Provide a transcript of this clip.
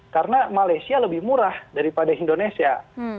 karena malaysia lebih murah daripada indonesia